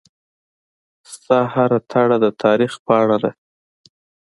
ستا هره تړه دتاریخ پاڼه ده